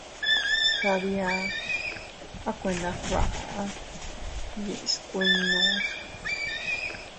Kabia a kuena gbaʼa yiʼi skuinnu.